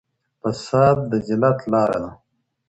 فساد د ذلت لار ده.